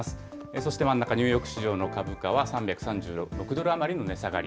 そして、真ん中、ニューヨーク市場の株価は３３６ドル余りの値下がり。